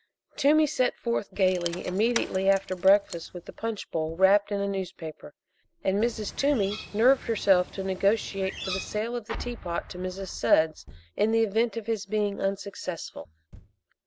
Toomey set forth gaily immediately after breakfast with the punch bowl wrapped in a newspaper, and Mrs. Toomey nerved herself to negotiate for the sale of the teapot to Mrs. Sudds, in the event of his being unsuccessful.